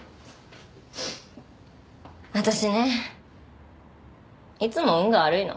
私ねいつも運が悪いの。